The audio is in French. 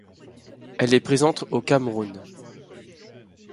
Elle est présente au Cameroun.